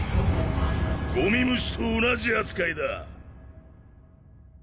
ゴミ虫と同じ扱いだ。